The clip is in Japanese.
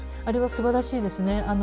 あれはすばらしいですね。